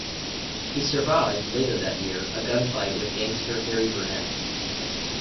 He survived, later that year, a gunfight with gangster Harry Brunette.